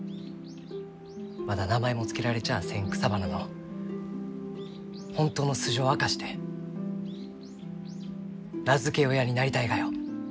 まだ名前も付けられちゃあせん草花の本当の素性を明かして名付け親になりたいがよ。